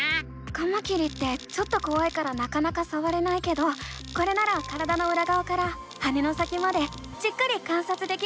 カマキリってちょっとこわいからなかなかさわれないけどこれなら体のうらがわから羽の先までじっくり観察できるね！